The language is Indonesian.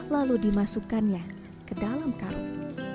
lalu dimasukkannya ke dalam karung